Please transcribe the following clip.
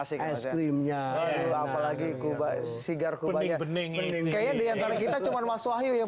sih es krimnya apalagi kubah sigar kubah pening pening ini kita cuma mas wahyu yang